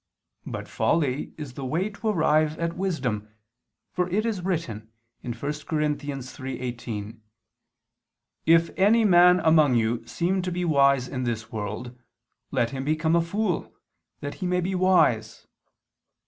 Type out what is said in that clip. But folly is the way to arrive at wisdom, for it is written (1 Cor. 3:18): "If any man among you seem to be wise in this world, let him become a fool, that he may be wise."